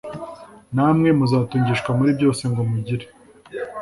namwe muzatungishwa muri byose ngo mugire